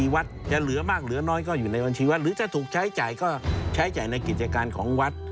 วัตถ่ายคนของวัด